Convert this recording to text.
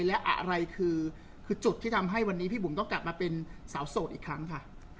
และอะไรคือจุดที่ทำให้วันนี้พี่บุ๋มต้องกลับมาเป็นสาวโสดอีกครั้งค่ะ